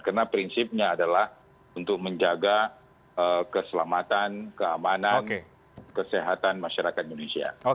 karena prinsipnya adalah untuk menjaga keselamatan keamanan kesehatan masyarakat indonesia